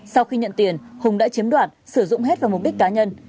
sau khi nhận tiền hùng đã chiếm đoạt sử dụng hết vào mục đích cá nhân